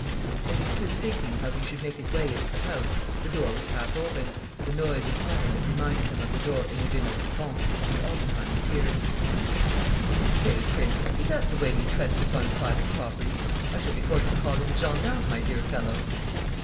As he stood thinking how he should make his way into the house, the door was half opened, with a noise of iron that reminded him of the door in the Villa Dupont, and Altenheim appeared: "I say, prince, is that the way you trespass on private property? I shall be forced to call in the gendarmes, my dear fellow!"